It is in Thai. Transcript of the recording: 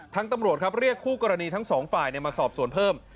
ทั้งตำรวจเรียกคู่กรณีทั้ง๒ฝ่ายมาสอบสวนเพิ่ม